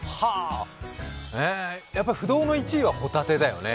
はあ、やっぱ不動の１位はホタテだよね。